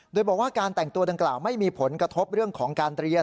โดยบอกว่าการแต่งตัวดังกล่าวไม่มีผลกระทบเรื่องของการเรียน